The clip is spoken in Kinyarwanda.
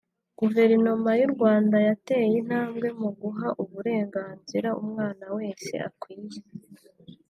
Guverinoma y’u Rwanda yateye intambwe mu guha uburenganzira umwana wese akwiye